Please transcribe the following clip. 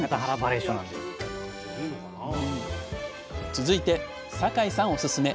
続いて酒井さんおすすめ！